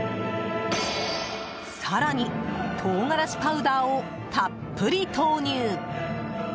更に、唐辛子パウダーをたっぷり投入。